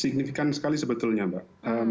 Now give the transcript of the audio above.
signifikan sekali sebetulnya mbak